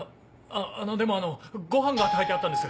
でもあのご飯が炊いてあったんです。